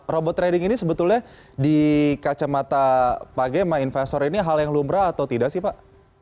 robot trading ini sebetulnya di kacamata pak gemma investor ini hal yang lumrah atau tidak sih pak